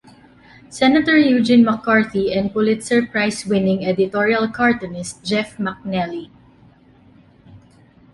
Senator Eugene McCarthy and Pulitzer Prize-winning editorial cartoonist Jeff MacNelly.